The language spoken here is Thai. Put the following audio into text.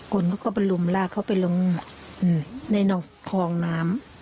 คนเขาก็ไปลุมลากเขาไปลงในคลองน้ำ